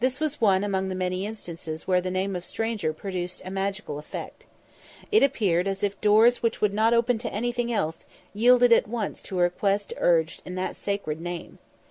This was one among the many instances where the name of stranger produced a magic effect. It appeared as if doors which would not open to anything else, yielded at once to a request urged in that sacred name.